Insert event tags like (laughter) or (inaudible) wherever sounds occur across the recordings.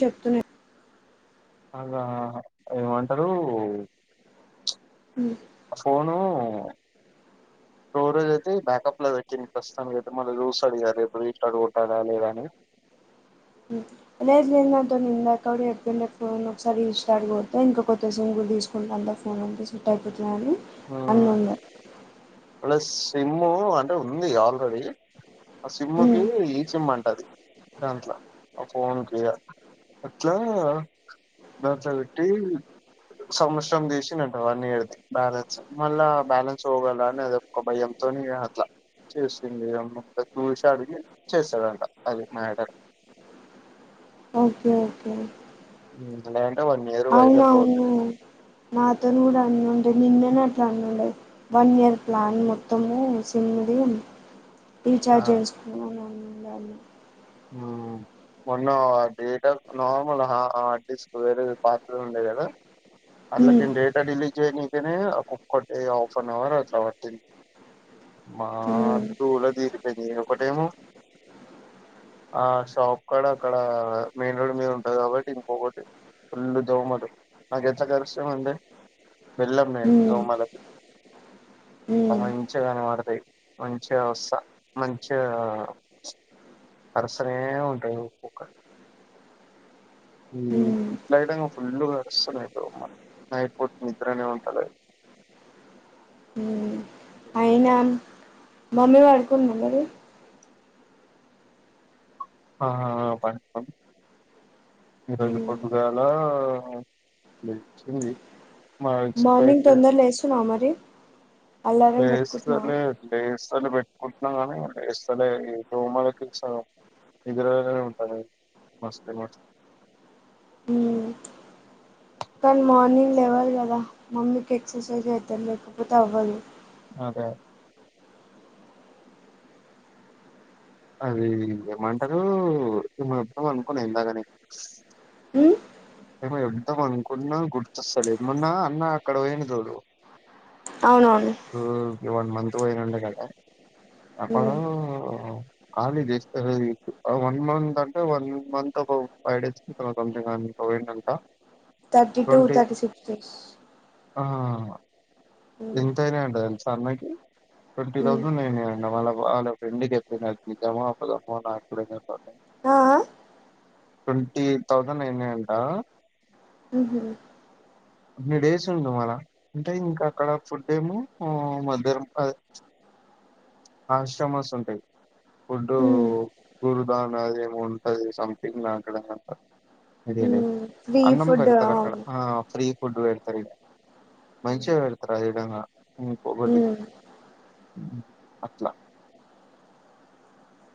చెప్తునె అలా ఏమంటారు చ్ ఫోను స్టోరేజ్ అయితే బ్యాకప్ ప్రస్తుా అతే మ ూ అడిగారు ఇప్పుడు హీట్ అ (unintelligible) అతను నిందాక కూడా ఎప్పుండ ఫోన్ ఒకసారి రీస్టార్ కోడితే ఇంక కొత్త సిమ్ కూడా తీసుకుంటే అంతా ఫోన్ అంత సెట్ అయిపోతది. నాది అన్ని మ్మ్ ఉండే ప్లస్ సిమ్ము అంటే ఉంది ఆల్రెడీ ఆ సిమ్ముకి ఈ సిమ్ అంట అది దాంట్ల ఆ ఫోన్ కి ఇగ అట్లా దాంట్లో పెట్టి సంవత్సరం తీసిన్డంట వన్ ఇయర్ది బ్యాలెన్స్ మళ్ళా బ్యాలెన్స్ పోగల అని అది ఒక భయంతోని అట్లా చేసింది ఏ చూసి అడిగి చేశాడంట అది మా ఏడ ఓకే ఓకే హ్మ్ మా డాడికి అవును అవును నాతోను కూడా అన్ని ఉండే మిన్నన అట్టన్నా వన్ ఇయర్ ప్లాన్ మొత్తము సేమ్మిది ఆ రీచార్జ్ చేసుకు అని అన్నా ఉండాలి హ్మ్ మొన్న data normal hour hard disk వేరేది పాతది ఉండే కదా అల్ల హ్మ్ దీని డేటడిలిట్ జనీకనే ఒక్కొక్కటి హాఫ్ అన్ అవర్ అట్లా పట్టింది మా హ్మ్ దూల తీరిపోయింది ఒకటేమో ఆ షాప్ కాడా అక్కడ మెయిన్ రోడ్ మీద ఉంటంది కాబట్టి ఇంకోకటి ఫుల్ దోమలు నాకు ఎట్ల కురుస్తాయి ముందే బెల్లం నేను హ్మ్ దోమలకు అ హ్మ్ మంచి గా కనబడతాయి మంచిగ వస్తా మంచిగా కరుస్తానే ఉంటాయి ఒక్కొక్కటి హ్మ్ ఇట్లా అయితే కర్సన్యిమ్మా నైట్ పోట్ నిదరనే ఉంటాల అయిన మమ్మీ వడుకుందా మరి ఆ పడుకుంది ఈరోజు హ్మ్. పొద్దుగాల లేచింది మా మార్నింగ్ ఎక్సర్సైజ్ తొందర లేస్తున్నావా మరి అలారం పెట్టుకుంటున్నా లేస్తానే లేస్తానే పెట్టుకుంటా కుంటున్నాం నీ ఇస్తడ ఈ రూములకి ఇదురు ఉంటాంది మస్ మ మ్మ్ కానీ మార్నింగ్ లేవ్వాలి కదా మమ్మీకి ఎక్సర్సైజ్ అయితది లేకపోతే అవ్వదు. అదే అది ఏమంటారు ఏమో చెప్దాం అనుకున్నా ఇందాక నీకు మ్మ్ ఏమో చెప్దాం అనుకున్నా గుర్తొస్తలేదు. మోన్నా అన్న అక్కడ పోయిండు చూడు అవునవును. ఇ వన్ మంత్ పోయినండి కదా అక్కడ మ్మ్ ఖాళీ చేస్తారు వన్ మంత్ అంటే వన్ మంత్ ఒక ఫైవ్ డేస్ కి తర్వాత పోయిండంట thirty to twenty thirty six days. ఆ మ్మ్ ఎంతయినయి అంట తెలుస అన్నకి మ్మ్ ట్వంటీథౌసండ్ అయినయి అంట వాళ్ళ వాళ్ళ ఫ్రెండ్ చెప్పిండంట అది నిజమో అబద్దమో నాకు కూడా తెల్వద ఆ ఆ అయినయి అంట ఉహు అన్ని డేస్ ఉన్నం ఆడా అంటే ఇంకా అక్కడ ఫుడ్ ఏమో మధ్యానం అదే ఆశ్రమాస్ ఉంటయి. ఫుడ్డు మ్మ్ గురుదానాది ఏమో ఉంటది సంథింగ్ నాక్కడ ఐడియా లేదు. మ్మ్ ఫ్రీ అన్నం ఫుడ్ పెడతరు అక్కడ అవును ఆ ఫ్రీ. ఫుడ్డు వేడుతర్ ఇడా మంచిగా పె రయ్డంగా అవును కబడ్డీ మ్మ్ అట్లా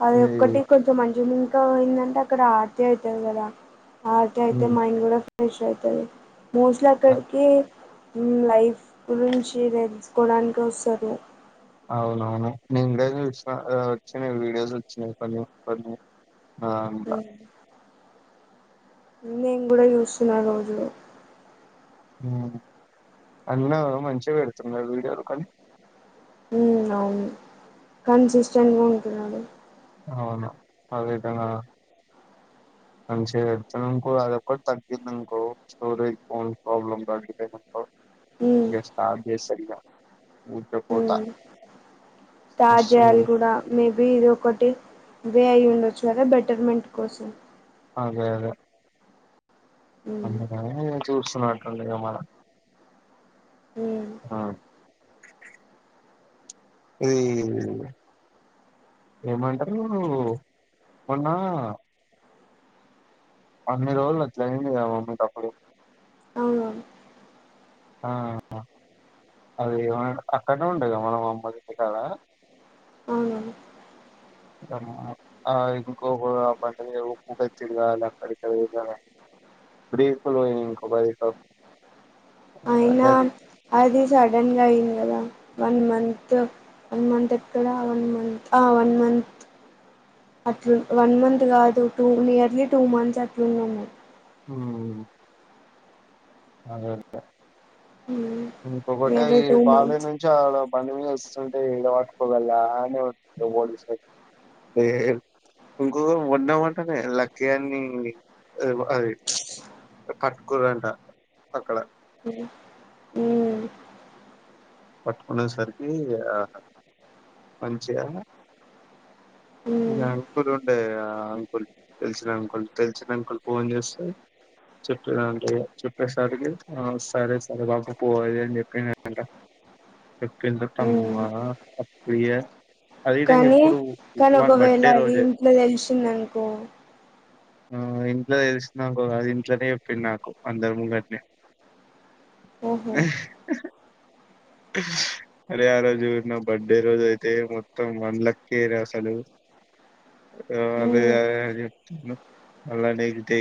అది ఇది, ఒక్కటి కొంచెం మంచిగ (inaudible) ఇంకా ఏందంటే అక్కడ ఆర్తీ అయితది కదా, ఆర్తీ అయితే ఉమ్, మైండ్ కూడ ఫ్రెష్ అయితది. మోస్ట్లీ అ- అక్కడికి హ్మ్ లైఫ్ గురించి తెలుసుకోడానికి వొస్తరు. అవునవును నేను కూడ చూసిన వచ్చినయి వీడియోస్ వచ్చినయి కొన్ని కొన్ని నాదాంట్ల మ్మ్ నేను కూడా చూస్తున్న రోజులో హ్మ్ అన్న మంచిగా పెడుతున్నడు వీడియోలు కానీ ఉ అవును కన్సిస్టెంట్గా ఉంటునడు. అవును అదే విధంగా మంచిగ చెప్తననుకో అ దొక్కటి తగ్గింది అనుకో స్టోరేజ్ ఫోన్ ప్రాబ్లమ్ తగ్గిపోయిందనుకో ఇగ స్టార్ట్ చేస్తడు ఇగ హ్మ్ స్టార్ట్ మస్తు చేయాలి కూడా మేబి ఇది ఒకటి ఇవే అయి ఉండొచ్చు కదా బెటర్మెంట్ కోసం. అదే అదే ఉమ్ అందుకనే చూస్తున్నట్టుండగా మళ్ళ ఉమ్ ఆ ఇది ఏమంటారు మొన్నా అన్ని రోజులు అట్ల అయిందిగా మమ్మీ కప్పుడు అవునవును ఆ అది ఏ అక్కడనే ఉండే కదా మనం అమ్మోల్ల ఇంటికాడ అవునవును ఆ ఇంకోక బండి మీద ఊపుకుంట అచ్చింర్రు కదా ఆల్లు అక్కడిక్కడ బ్రేకులు పోయినయి అనుకో (unintelligible) నా అది సడన్ గా అయింది కదా వన్ మంత్ వన్ మంత్ ఎక్కడా వన్ మంత్ ఆ వన్ మంత్ అట్లా వన్ మంత్ కాదు టూ నియర్లీ టూ మంత్స్ అట్లున్నం మేం. అవును అదే (unintelligible) ఇంకొకటటి నియర్లీ ఈ టూ కాలీని మంత్స్ నుంచి ఆడ బండిమీద వస్త తే ఈడ పట్టుకోలె ఆడనే పట్టుకున్నారు ఆడ (inaudible) (inaudible) (inaudible) ఇంకొకటి మొన్న మొన్ననే లక్కీ గాన్ని అది పట్టుకుంరంటా. అక్కడ హ పట్టుకునే సరికి మంచిగా ఈ ఉమ్ అంకుల్ ఉండే ఆ అంకుల్ తెలిసిన అంకుల్ తెలిసిన అంకుల్ ఫోన్ చేస్తే చెప్పంట చెప్పేసరికి సరే సరే బాబు పోది అని చెప్పినంట ఎప్పు తట ఉమ్ అమ్మా అప్ప (inaudible) కానీ కానీ ఒకవేళ బర్త్డే అది రోజే ఇంట్లో తెలిసిందనుకో ఆ ఇంట్లో తెసిన అది ఇంట్లోనే చెప్పింది నాకు అందరు ముంగత్నే ఓహో ఆ అరే ఆ రోజు నా బర్త్డే రోజు అయితే మొత్తం వంలకిర అసలు అ ఉమ్ అని చెప్తున మళ్ళ న తె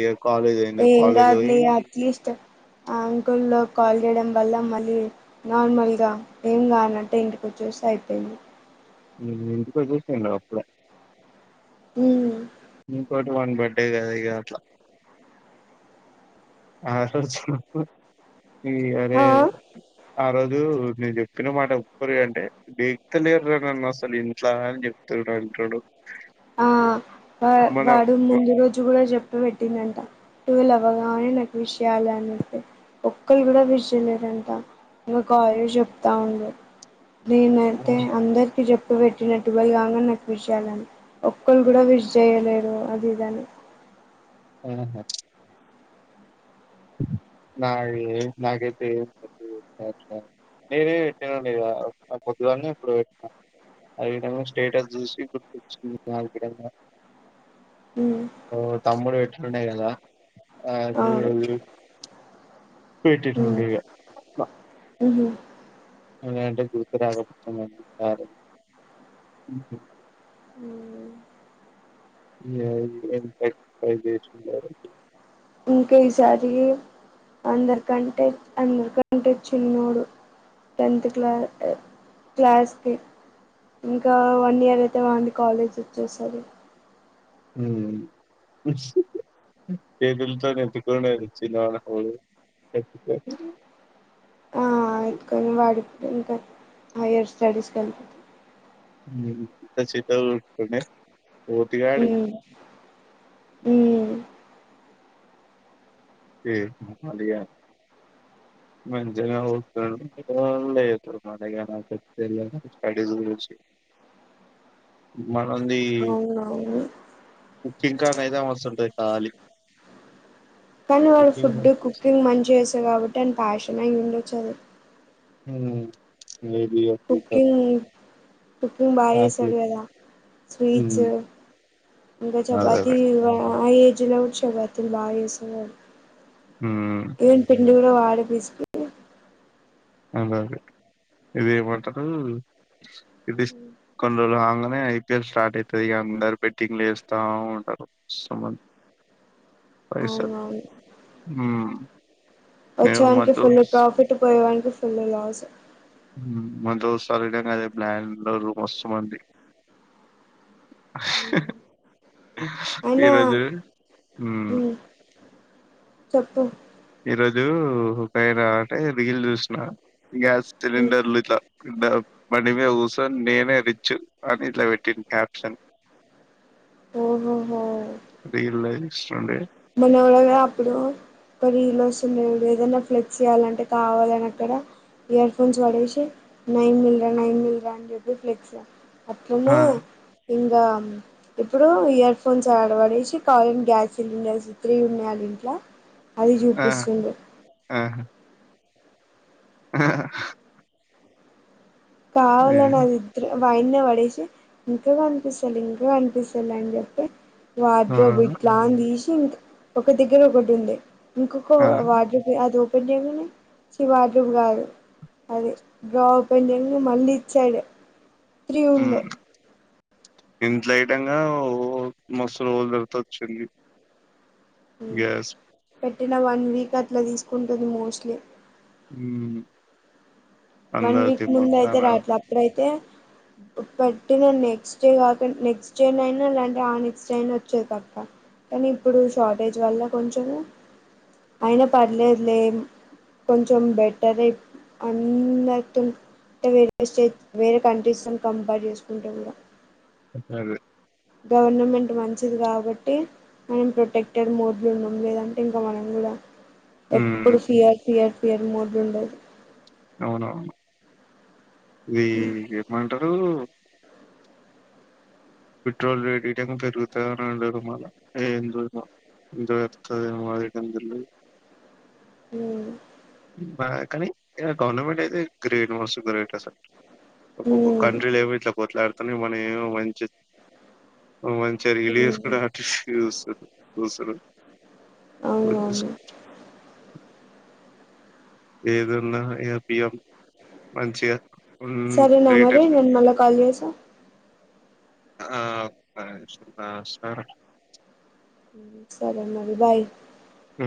ఏం కాదులే అట్లెస్ట్ ఆ అంకుల్లో కాల్ చేయడం వల్ల మళ్ళీ నార్మల్గా ఏం కానట్టే ఇంటికి వచ్చూస్తే అయిపోయింది ఇంటికి వచ్చేసిండు కదా అప్పుడ హ ఇంకోటి వన్ బర్త్డే కద ఇగా అట్లా ఆ అే ఆ ఆ ఆ రోజు నేను చెప్ చెప్పిన మాట ఒప్పురి అంటే డెక్తలేరు అసలు ఇంట్లా అని చెప్తుడు అంటాడు ఆ వాడు ముందు రోజు కూడా చెప్ టు పెట్టిందంట టువల్ అవ్వగానే నాకు విష్ చేయ్యాలి అని చెప్పి ఒక్కరు కూడా విష్ చేయలేదంట ఇంకా కావ్య చెప్తా ఉండ నేనైతే అందరికి చెప్పు పెట్టినట్టుగా కాగా నాకు విషయాలని ఒక్కళ్ళ కూడా వి చేయలేరు అది దాన్ని ఆహా నా నాకైతే ఏ నేరే పెట్టినా లేద పొద్దుగాన్ననే ఇప్పుడు పెట్టినా అ స్టేటస్ చూసి గుర్తొచ్చ నా మ్మ్ ఓ తామ్ముడు పెట్టీ ఉండే కదా ఆ అవును పెటిట్ండగా బ అ అంట గురుతురాకపోతుంది హ ఇక్ ఫేశ ఇంకా ఈసారి అందరికంటే అందరికంటే చిన్నోడు టెన్త్ క్లా క్లాస్కి ఇంకా వన్ ఇయర్ అయితే వాని కాలేజ్ వచ్చేస్తాది (inaudible) ఆ ఎత్తుకొని వాడి ఇంకా హైయర్ స్టడీస్కి వెళ్ళపోతుాం ట్న్నా (inaudible) పోటుగాడు ఉమ్ ఉమ్ (unintelligible) (inaudible) మనదీ అవునవును చింకా కైదా వస్తుంటాయ్ కాలి కానీ వాళ్ళ ఫుడ్ కుకింగ్ మంచి చేస్తారు కాబట్టి అని ప్యాషన్ ఇ చదు ఉమ్ ఏది (inaudible) కుక్కంగ్ బాగా చేస్తాడు కదా స్వీట్స్ హ్మ్ ఇంకా అదే చపాతీ ఆ ఏజ్ లో చపా తి లాగేసున్నరు ఏం పిండి ఆడపిసిపి అలాగె ఇదేమంటరూ ఇది కొన్ని రోజులు హంగానే ఐపిఎల్ స్టార్ట్ అవుతుంది ఇక అందరు బెట్టింగ్లు యేస్తా ఉంటారు మంది అవునవును మేము మా వచ్చేవానికి ఫుల్ దోస్ ప్రాఫిట్ పోయేవా అప్పుల్లిగాల్సో మందు సరైనంగాద ప్లానింగున్నారు (inaudible) మస్తుమంది ఉమ్ అయినా ఈరోజు హ్మ్ ఉమ్ చెప్పు ఈ రోజు ఉపైరా అంటే రీల్ చూసిన గ్యాస్ సిలిండర్లు ఇట్ల ఇ బండిమీద కూస్ సో నేనే రిచ్ అని ఇట్ల పెట్టిన్ క్యాప్షన్ ఓహోహో రీల్ లో చూస్తుండే మనవడేడు అప్పుడు ఓ రీలో డు ఏదైనా ఫ్లెక్స్ చేయ్యాలంటే కావాలనక్కడ ఇయర్ ఫోన్స్ పడేసి నై మిలరా నై మిల్రా అని చెప్పి ఫ్లెక్స్ అప్పుడు ఆ ఇంక ఇప్పుడు ఇయర్ ఫోన్స్ ఆడ పడేసి కాలన్ గ్యాస్ సిలిండర్స్ ఇత్రిగున్నాడింట్లా అది ఆ చూపిస్తుండు ఆ ఆ పావాల నాదిద్ర్ వైన్నే పడేసి ఇంక కనిపిస్తలే ఇంక కనిపిస్తలే అని చెప్పి ఆ వార్డ్రోబ్ ఇట్లాన్ తీషి ఒక దగ్గర ఒకటి ఉండే ఇంక ఒక ఆ వార్డ్రోబ్ అది (inaudible) చి వాటిది కాదు అది డ్రావ్పెడింగ్ ను మళ్ళీ ఇచ్చాడు త్రి వుండె ఇంట్లయిటంగా ఓ మస్తు రోజలు గుర్తొచ్చింది. ఉ పెట్టిన వన్ వీక్ అట్ల తీసుకుంటది మోస్ట్లీ ఊ వన్ వీక్ ముందయితె రావట్ల అప్పుడైతె పెట్టిన నెక్స్ట్ డె కాక నెక్స్ట్ డె నయినా ల్యాంటె ఆ నెక్స్ట్ డె అయిన వచ్చేది పప కానీ ఇప్పుడు షార్టేజ్ వల్ల కొంచెము అయినా పర్లేదు లే కొంచెం బెటర్ ఎ అన్ మ్ దట్టు వేరె స్టేట్ వేరె కంట్రీస్ని కంపేర్ చేసుకుంటె కూడ అదె గవర్నమెంట్ మంచిది కాబట్టి మనం ప్రొటెక్టెడ్ మోడ్లో ఉన్నాం లేదంటె ఇంక మనం గుడా హ్మ్. ఎప్పుడు ఫియర్ ఫియర్ ఫియర్ మోడ్ ఉండదు. అవునవును ఈ ఏమంట ఉం పెట్రోల్ రేట్ ఈడేమో పెరుగుతదని అన్నారు మళ ఏందో మో ఎంత పెరుగుతదో ఏమో రేట్ అని తెలియలేదు. హ్మ్ బ కాని ఐన గవర్నమెంట్ అయితె గ్రేట్ మస్త్ గ్రేట్ అసల్ ఒక్కొక్క హ్మ్ కంట్రీ ఏమో ఇట్ల కొట్లాడ్ కాని మనెమో మంచి మంచి రిలీస్ కూడ హ్మ్ అటిషూస్తది ఉసరం అవునవును ఏదన్న ఏపీఎం మంచిగ సరేనా మరి నేను మల్ల కాల్ చేస్తా ఆ (unintelligible) ఉం సరె మరి బాయ్ ఉ